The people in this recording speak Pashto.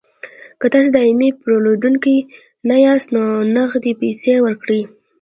که تاسې دایمي پیرودونکي نه یاست نو نغدې پیسې ورکړئ